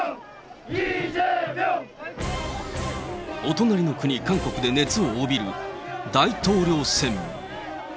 お隣の国、韓国で熱を帯びる大統領選。